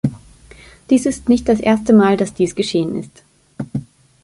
Dies ist nicht das erste Mal, dass dies geschehen ist.